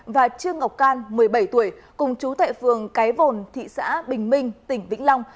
và trương ngọc can một mươi bảy tuổi cùng chú tại phường cái vồn thị xã bình minh tỉnh vĩnh long